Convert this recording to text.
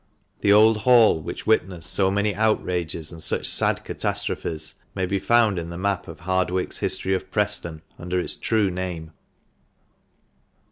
The old Hall which witnessed so many outrages and such sad catastrophes may be found in the map of Hardwick's History of Preston under its true name.